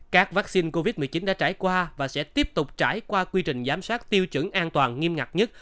các vaccine covid một mươi chín đã trải qua và sẽ tiếp tục trải qua quy trình giám sát tiêu chuẩn an toàn nghiêm ngặt nhất